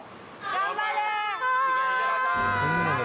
頑張れ！